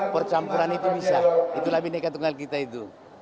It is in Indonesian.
percampuran itu bisa itu lebih nekat dengan kita itu